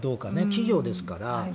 企業ですからね。